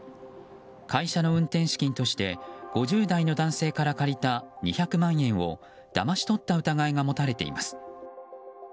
会社の運転資金として５０代の男性から借りた２００万円をだまし取った疑いが持たれています。